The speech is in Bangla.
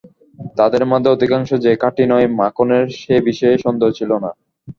তাদের মধ্যে অধিকাংশ যে খাঁটি নয়, মাখনের সে বিষয়ে সন্দেহ ছিল না।